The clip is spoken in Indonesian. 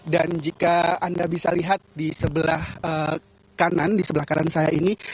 dan jika anda bisa lihat di sebelah kanan di sebelah kanan saya ini